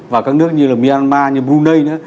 và các nước như là myanmar như brunei nữa